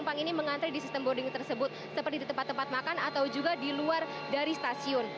penumpang ini mengantri di sistem boarding tersebut seperti di tempat tempat makan atau juga di luar dari stasiun